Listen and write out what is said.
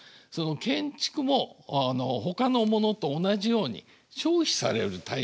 建築もほかのものと同じように消費される対象になった。